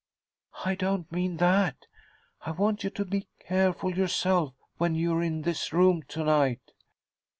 "I don't mean that. I want you to be careful yourself, when you're in this room to night."